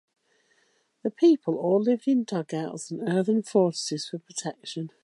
The people all lived in dugouts and earthen fortresses for protection.